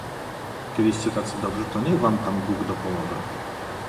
"kiedyście tacy dobrzy, to niech wam tam Bóg dopomoże."